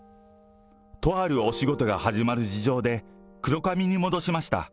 とあるお仕事が始まる事情で、黒髪に戻しました。